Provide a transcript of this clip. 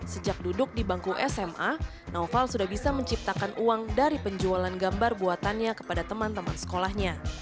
sejak duduk di bangku sma naufal sudah bisa menciptakan uang dari penjualan gambar buatannya kepada teman teman sekolahnya